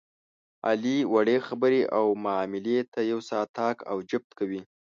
علي وړې خبرې او معاملې ته یو ساعت طاق او جفت کوي.